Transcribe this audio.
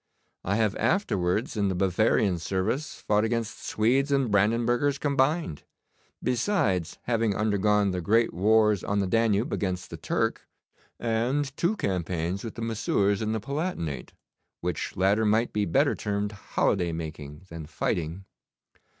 I have afterwards in the Bavarian service fought against Swedes and Brandenburgers combined, besides having undergone the great wars on the Danube against the Turk, and two campaigns with the Messieurs in the Palatinate, which latter might be better termed holiday making than fighting.